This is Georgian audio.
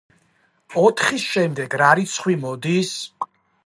ოთხის შემდეგ რა რიცხვი მოდის?